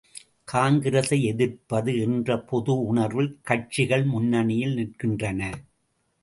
காங்கிரசை எதிர்ப்பது என்ற பொது உணர்வில் கட்சிகள் முன்னணியில் நிற்கின்றன.